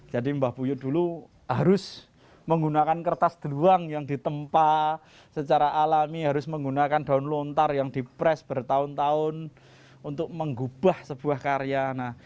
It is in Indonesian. jadi mbah buyut dulu harus menggunakan kertas deluang yang ditempa secara alami harus menggunakan daun lontar yang di press bertahun tahun untuk mengubah sebuah karya